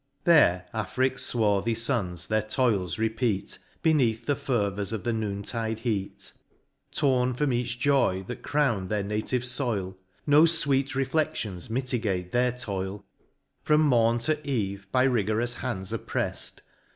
I There Afric's fvvarthy fons their toils repeat, Beneath the fervors of the noon tide heat ; Torn from each joy that crown'd their native foil, No fvveet refledlions mitigate their toil ; From morn, to eve, by rigorous hands oppreft.